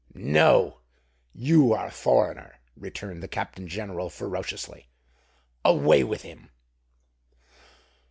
"No—you are a foreigner!" returned the Captain General ferociously. "Away with him!"